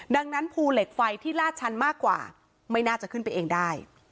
ดังนั้นภูเหล็กไฟที่ลาดชันมากกว่าไม่น่าจะขึ้นไปเองได้